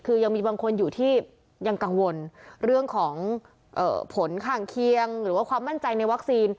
คือยังมีบางคนอยู่ที่ยังกังวลเรื่องของผลข้างเคียงหรือว่าความมั่นใจในวัคซีน